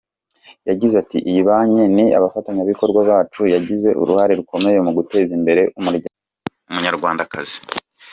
Yagize ati “Iyi banki ni abafatanyabikorwa bacu, yagize uruhare rukomeye mu guteza imbere umunyarwandakazi.